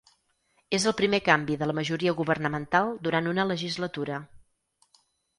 És el primer canvi de la majoria governamental durant una legislatura.